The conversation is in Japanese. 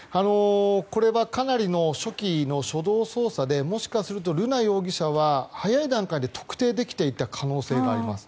これはかなりの初期の初動捜査でもしかすると瑠奈容疑者は早い段階で特定できていた可能性があります。